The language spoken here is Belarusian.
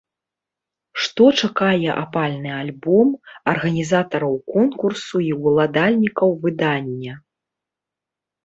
Што чакае апальны альбом, арганізатараў конкурсу і ўладальнікаў выдання.